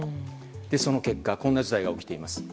その結果、こんな事態が起きています。